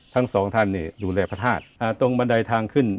ทั้งสองท่านดูแลพระธาตุตรงบันไดทางขึ้น